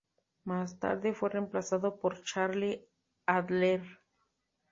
Más tarde, fue reemplazado por Charlie Adler.